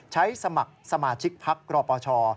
สมัครสมาชิกพักกรปช